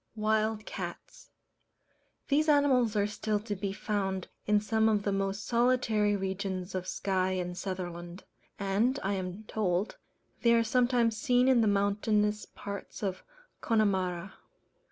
Wild Cats. These animals are still to be found in some of the most solitary regions of Skye and Sutherland: and, I am told, they are sometimes seen in the mountainous parts of Connemara.